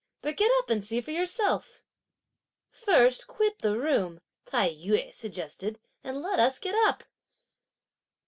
but get up and see for yourself!" "First quit the room," Tai yü suggested, "and let us get up!"